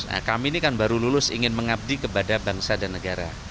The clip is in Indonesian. nah kami ini kan baru lulus ingin mengabdi kepada bangsa dan negara